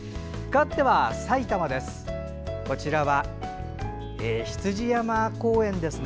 かわっては、埼玉です。